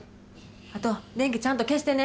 あと、電気ちゃんと消してね。